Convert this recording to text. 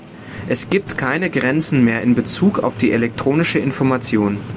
Es gibt keine Grenzen mehr in bezug auf die elektronische Information.